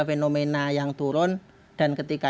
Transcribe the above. fenomena yang turun dan ketika